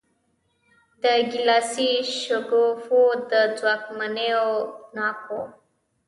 د ګیلاسي شګوفو د ځوانکیو ناکو